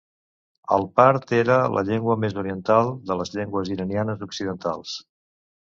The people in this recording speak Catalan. El part era la llengua més oriental de les llengües iranianes occidentals.